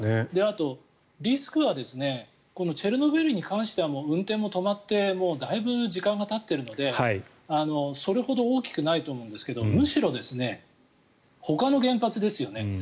あと、リスクはチェルノブイリに関しては運転も止まってだいぶ時間がたっているのでそれほど大きくないと思うんですけどむしろほかの原発ですよね。